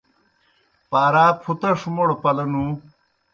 پار آ پُھتَݜوْ موْڑ پلہ نُوں۔